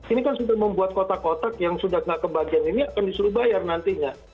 ini kan sudah membuat kotak kotak yang sudah tidak kebagian ini akan disuruh bayar nantinya